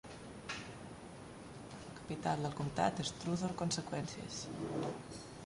La capital del comtat és Truth or Consequences.